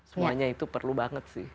semuanya itu perlu banget sih